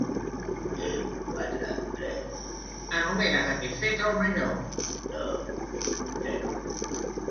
Cinc, quatre, tres —enumera satisfet el Major—, dos, un, zero!